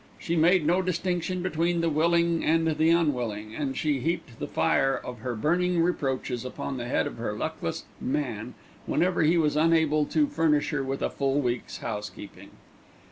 She made no distinction between the willing and the unwilling, and she heaped the fire of her burning reproaches upon the head of her luckless "man" whenever he was unable to furnish her with a full week's housekeeping.